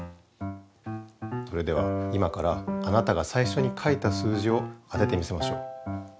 それでは今からあなたが最初に書いた数字を当ててみせましょう。